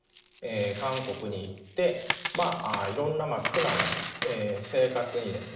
韓国に行っていろんな苦難の生活にですね